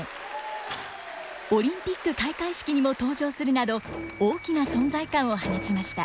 オリンピック開会式にも登場するなど大きな存在感を放ちました。